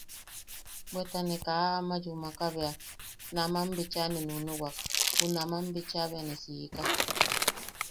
Bweta ne kaa ama yumaka bea, ne nam bicha ne nunuwak, junaman bicha bea ne siika.